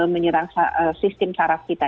menyerang sistem sarah kita